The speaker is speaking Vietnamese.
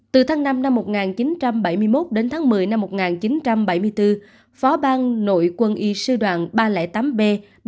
từ tháng năm năm một nghìn chín trăm bảy mươi một đến tháng một mươi năm một nghìn chín trăm bảy mươi bốn phó bang nội quân y sư đoàn ba trăm linh tám b ba trăm hai mươi b